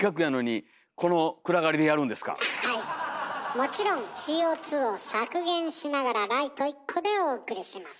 もちろんＣＯを削減しながらライト１個でお送りします。